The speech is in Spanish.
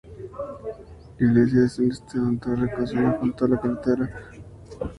Iglesia de San Esteban, Torre-casona junto a la carretera y fuente-abrevadero.